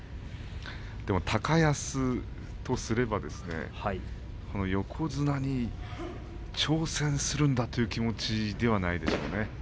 でも高安とすれば横綱に挑戦するんだという気持ちではないでしょうね。